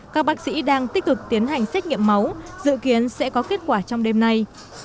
các bác sĩ đang tích cực tiến hành xét nghiệm máu dự kiến sẽ có kết quả trong đêm nay